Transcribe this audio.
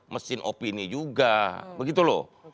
mesin opini juga begitu loh